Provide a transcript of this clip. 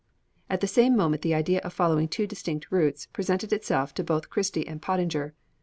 At the same moment the idea of following two distinct routes presented itself to both Christie and Pottinger.